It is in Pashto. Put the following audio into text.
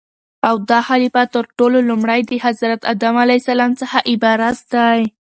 او داخليفه تر ټولو لومړى دحضرت ادم عليه السلام څخه عبارت دى